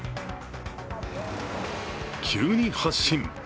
急に発進。